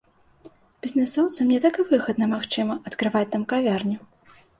Бізнэсоўцам не так і выгадна, магчыма, адкрываць там кавярню.